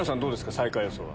最下位予想は。